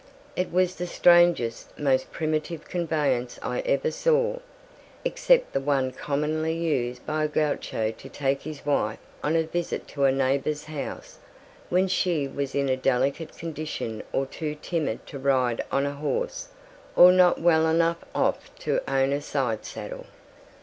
It was the strangest, most primitive conveyance I ever saw, except the one commonly used by a gaucho to take his wife on a visit to a neighbour's house when she was in a delicate condition or too timid to ride on a horse or not well enough off to own a side saddle.